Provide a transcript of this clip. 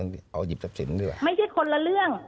ไม่ใช่คนละเรื่อง